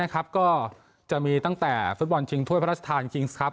ก็จะมีตั้งแต่ฟุตบอลชิงถ้วยพระราชทานคิงส์ครับ